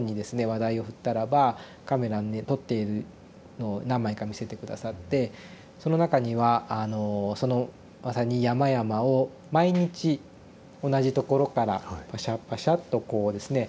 話題を振ったらばカメラで撮っているのを何枚か見せて下さってその中にはあのそのまさに山々を毎日同じところからパシャパシャッとこうですね